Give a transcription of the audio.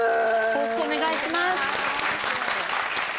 よろしくお願いします